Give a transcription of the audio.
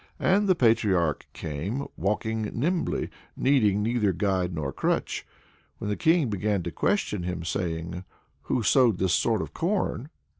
And the patriarch came, walking nimbly needing neither guide nor crutch. Then the King began to question him, saying: "Who sowed this sort of corn?"